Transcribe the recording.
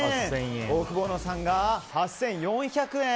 オオクボーノさんが８４００円。